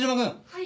はい。